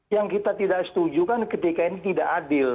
yang kita tidak setujukan ketika ini tidak adil